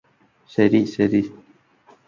ശരി ശരി